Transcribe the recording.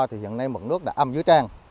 hiện nay mực nước đã âm dưới trang